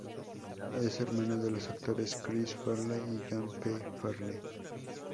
Es hermano de los actores Chris Farley y John P. Farley.